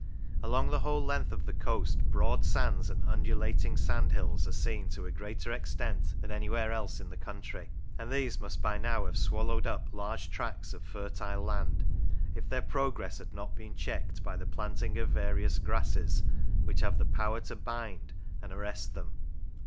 Along the whole length of the coast broad sands and undulating sandhills are seen to a greater extent than anywhere else in the country, and these must by now have swallowed up large tracts of fertile land if their progress had not been checked by the planting of the various grasses which have the power to bind and arrest them.